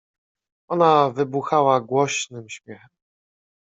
Ona wybuchała głoś nym śmiechem.